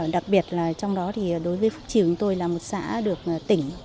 đặc biệt trong đó đối với phúc triều tôi là một xã được tỉnh